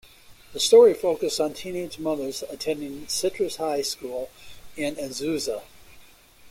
The story focused on teenage mothers attending Citrus High School in Azusa.